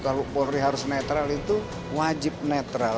kalau polri harus netral itu wajib netral